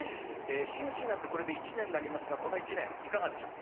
真打になってこれで１年になりますがこの１年いかがでしょう？